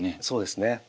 そうですね。